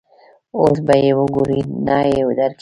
اوس به یې وګورې، نه یې درکوي.